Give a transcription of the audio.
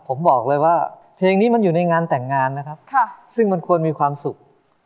ผมบอกเลยว่าเพลงนี้มันอยู่ในงานแต่งงานนะครับซึ่งมันควรมีความสุข